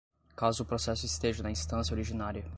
caso o processo esteja na instância originária: